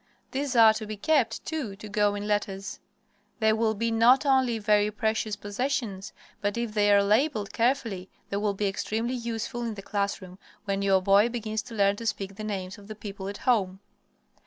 These are to be kept, too, to go in letters. They will be not only very precious possessions, but if they are labeled carefully they will be extremely useful in the classroom when your boy begins to learn to speak the names of the people at home.